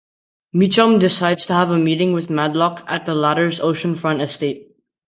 Meechum decides to have a meeting with Madlock at the latter's oceanfront estate.